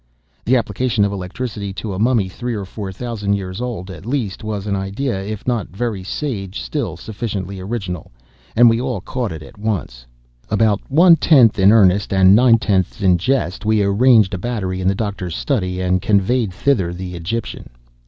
The application of electricity to a mummy three or four thousand years old at the least, was an idea, if not very sage, still sufficiently original, and we all caught it at once. About one tenth in earnest and nine tenths in jest, we arranged a battery in the Doctor's study, and conveyed thither the Egyptian.